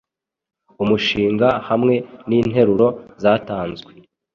Umushinga hamwe ninteruro zatanzwe